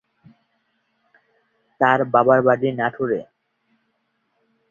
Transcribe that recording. তার বাবার বাড়ি নাটোরে।